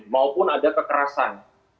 maupun ada kekerasan